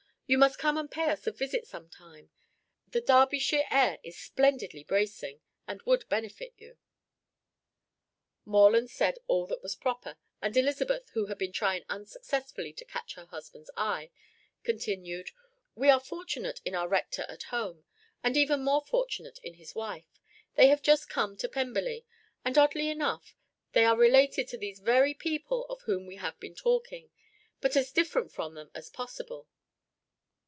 You must come and pay us a visit some time; the Derbyshire air is splendidly bracing, and would benefit you." Morland said all that was proper, and Elizabeth, who had been trying unsuccessfully to catch her husband's eye, continued: "We are fortunate in our Rector at home, and even more fortunate in his wife; they have just come to Pemberley, and oddly enough, they are related to these very people of whom we have been talking, but as different from them as possible."